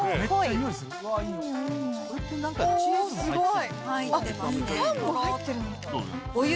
おすごい。